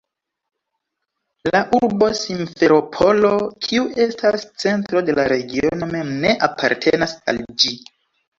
La urbo Simferopolo, kiu estas centro de la regiono, mem ne apartenas al ĝi.